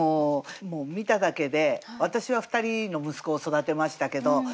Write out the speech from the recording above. もう見ただけで私は２人の息子を育てましたけど。